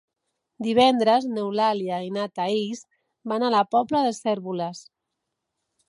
Divendres n'Eulàlia i na Thaís van a la Pobla de Cérvoles.